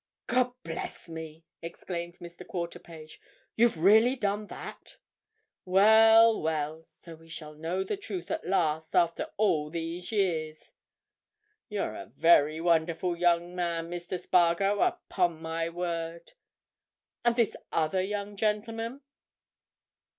"God bless me!" exclaimed Mr. Quarterpage. "You've really done that! Well, well, so we shall know the truth at last, after all these years. You're a very wonderful young man, Mr. Spargo, upon my word. And this other young gentleman?"